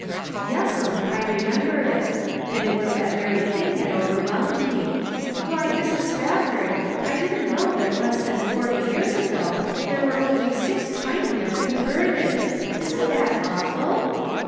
"Yes'm, I remember it; and it was that very thing that overwhelmed me. Why, Mrs. Spafford, I didn't know that less than forty years ago there were only six Chinamen converted. Isn't that awful